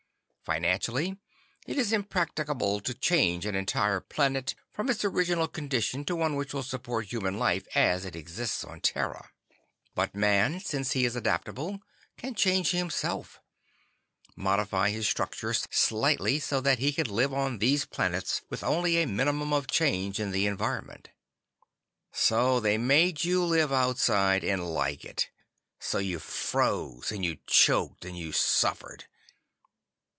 "Financially, it is impracticable to change an entire planet from its original condition to one which will support human life as it exists on Terra. "But man, since he is adaptable, can change himself—modify his structure slightly—so that he can live on these planets with only a minimum of change in the environment." So they made you live outside and like it. So you froze and you choked and you suffered.